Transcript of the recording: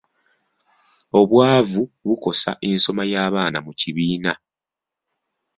Obwavu bukosa ensoma y'abaana mu kibiina.